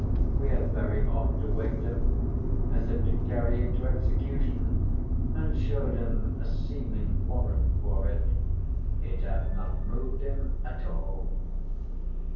We have very oft awaked him, as if to carry him to execution, and showed him a seeming warrant for it: it hath not moved him at all.